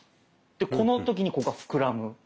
この時にここが膨らむ。